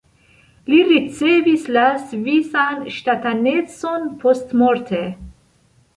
Li ricevis la svisan ŝtatanecon postmorte.